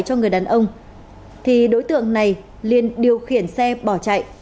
cho người đàn ông thì đối tượng này liên điều khiển xe bỏ chạy